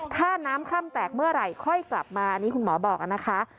ถ้าน้ำคร่ำแตกเมื่อไหร่ค่อยกลับมาอันนี้คุณหมอบอกนะคะ